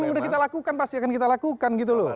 yang udah kita lakukan pasti akan kita lakukan gitu loh